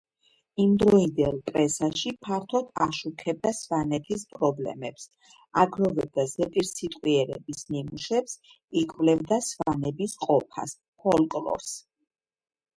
იმდროინდელ პრესაში ფართოდ აშუქებდა სვანეთის პრობლემებს; აგროვებდა ზეპირსიტყვიერების ნიმუშებს; იკვლევდა სვანების ყოფას, ფოლკლორს.